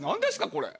これ。